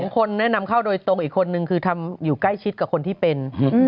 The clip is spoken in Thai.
คนแนะนำเข้าโดยตรงอีกคนนึงคือทำอยู่ใกล้ชิดกับคนที่เป็น